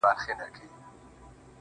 زه به په فکر وم، چي څنگه مو سميږي ژوند.